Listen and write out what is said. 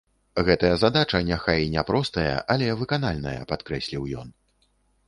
Гэтая задача няхай і няпростая, але выканальная, падкрэсліў ён.